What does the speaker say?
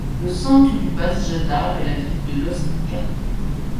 Le centre du Bas Jadar est la ville de Loznica.